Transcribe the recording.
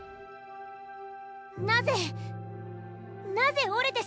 なぜなぜ折れてしまったんだ。